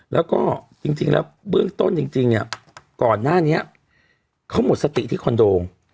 แล้วก็จริงแล้วเบื้องต้นจริงเนี่ยก่อนหน้านี้เขาหมดสติที่คอนโด